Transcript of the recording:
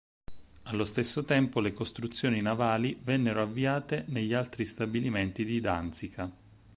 Allo stesso tempo le costruzioni navali vennero avviate negli altri stabilimenti di Danzica.